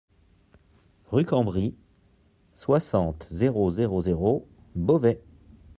Rue Cambry, soixante, zéro zéro zéro Beauvais